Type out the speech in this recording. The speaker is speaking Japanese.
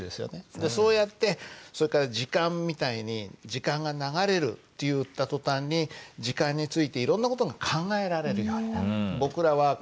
でそうやってそれから時間みたいに時間が流れるって言った途端に時間についていろんな事が考えられるようになる。